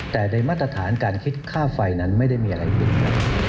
แต่ในมาตรฐานการคิดค่าไฟนั้นไม่ได้มีอะไรผิดครับ